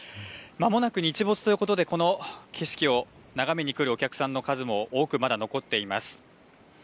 まもなく日没ということでこの景色を眺めに来るお客さんの数も多くまだ残っています。